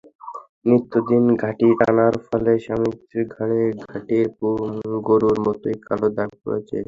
নিত্যদিন ঘানি টানার ফলে স্বামী-স্ত্রীর ঘাড়ে ঘানির গরুর মতোই কালো দাগ পড়েছে।